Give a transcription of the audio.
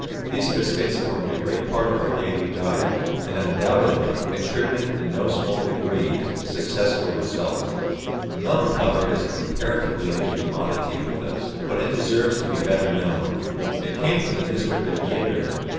These biscuits formed a great part of our daily diet, and undoubtedly contributed in no small degree to the successful result. Milk powder is a comparatively new commodity with us, but it deserves to be better known. It came from the district of Jæderen.